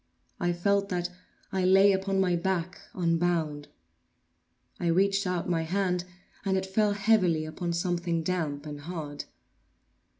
I felt that I lay upon my back, unbound. I reached out my hand, and it fell heavily upon something damp and hard.